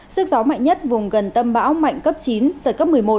sức gió mạnh nhất vùng gần tâm bão mạnh cấp chín giật cấp một mươi một